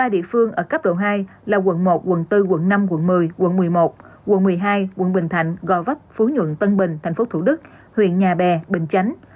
ba địa phương ở cấp độ hai là quận một quận bốn quận năm quận một mươi quận một mươi một quận một mươi hai quận bình thạnh gò vấp phú nhuận tân bình tp thủ đức huyện nhà bè bình chánh